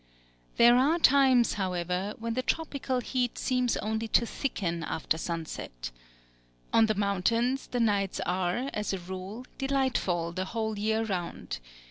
There are times, however, when the tropical heat seems only to thicken after sunset. On the mountains the nights are, as a rule, delightful the whole year round.